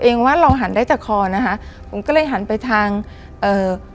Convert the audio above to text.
ว่าเราหันได้แต่คอนะคะผมก็เลยหันไปทางเอ่อ